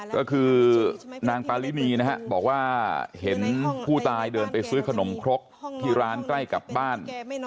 ก็คือนางปารินีนะฮะบอกว่าเห็นผู้ตายเดินไปซื้อขนมครกที่ร้านใกล้กับบ้าน